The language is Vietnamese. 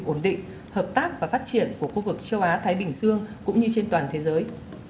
ổn định hợp tác và phát triển của khu vực châu á thái bình dương cũng như trên toàn thế giới